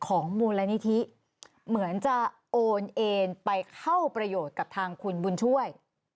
โอนเอ็นไปเข้าประโยชน์กับทางคุณบุญช่วย